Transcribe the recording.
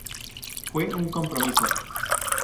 Fue un compromiso.